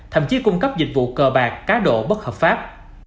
thậm chí cung cấp dịch vụ cờ bạc cá độ bất hợp pháp